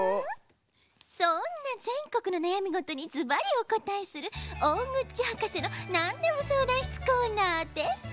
そんなぜんこくのなやみごとにズバリおこたえする「大口博士のなんでも相談室」コーナーです。